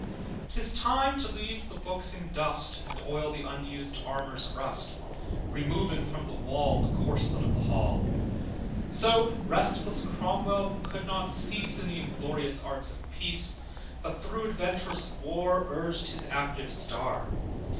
'Tis time to leave the books in dust, And oil the unusèd armour's rust: Removing from the wall The corslet of the hall. So restless Cromwell could not cease In the inglorious arts of peace, But through adventurous war Urgèd his active star.